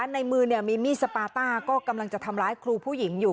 ในมือมีมีดสปาต้าก็กำลังจะทำร้ายครูผู้หญิงอยู่